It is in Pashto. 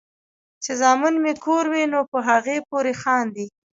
چې زامن مې کور وي نو پۀ هغې پورې خاندي ـ